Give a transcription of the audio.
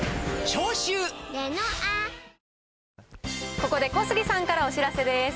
ここで小杉さんからお知らせです。